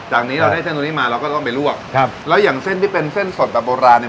อย่างนี้เราได้เส้นตัวนี้มาเราก็ต้องไปลวกครับแล้วอย่างเส้นที่เป็นเส้นสดแบบโบราณเนี่ย